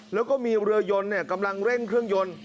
แล้วก็มีเรือยนกำลังเร่งเครื่องยนต์